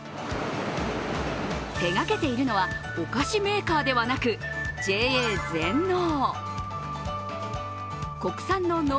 手がけているのは、お菓子メーカーではなく、ＪＡ全農。